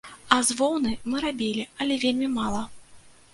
А з воўны мы рабілі, але вельмі мала.